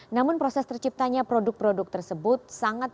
namun proses terciptanya produk produk tersebut sangat panjang dan kompleks